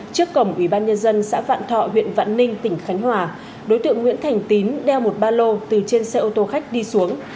trước cổng ủy ban nhân dân xã vạn thọ huyện vạn ninh tỉnh khánh hòa đối tượng nguyễn thành tín đeo một ba lô từ trên xe ô tô khách đi xuống